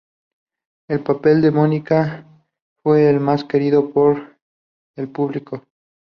El papel de Mónica fue el más querido por el público.